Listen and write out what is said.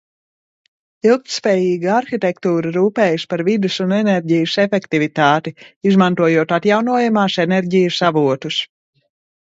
Ilgtspējīga arhitektūra rūpējas par vides un enerģijas efektivitāti, izmantojot atjaunojamās enerģijas avotus.